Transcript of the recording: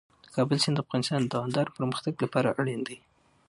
د کابل سیند د افغانستان د دوامداره پرمختګ لپاره اړین دی.